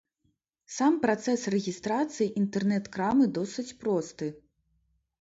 Сам працэс рэгістрацыі інтэрнэт-крамы досыць просты.